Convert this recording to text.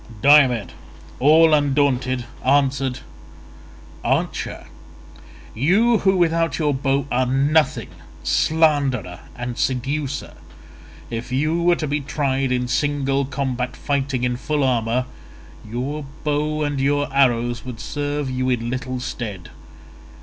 Diomed all undaunted answered, "Archer, you who without your bow are nothing, slanderer and seducer, if you were to be tried in single combat fighting in full armour, your bow and your arrows would serve you in little stead.